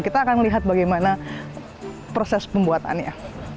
kita akan lihat bagaimana proses pembuatannya